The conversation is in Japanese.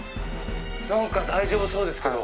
何か大丈夫そうですけど。